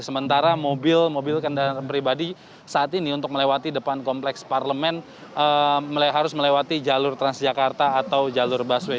sementara mobil mobil kendaraan pribadi saat ini untuk melewati depan kompleks parlemen harus melewati jalur transjakarta atau jalur busway